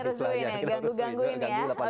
restuin ya ganggu gangguin ya